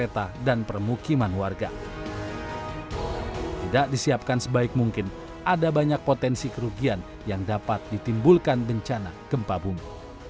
tidak disiapkan sebaik mungkin ada banyak potensi kerugian yang dapat ditimbulkan bencana gempa bumi